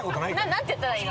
何て言ったらいいの？